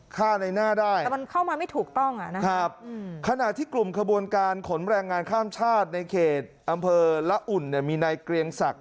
ครับขณะที่กลุ่มขบวนการขนแรงงานข้ามชาติในเขตอำเภอละอุ่นเนี่ยมีในเกรียงศักดิ์